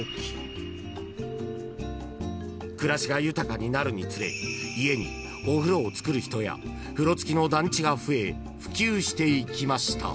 ［暮らしが豊かになるにつれ家にお風呂をつくる人や風呂付きの団地が増え普及していきました］